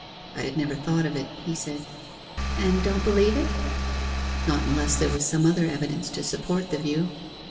'I had never thought of it,' he said. 'And don't believe it?' 'Not unless there was some other evidence to support the view.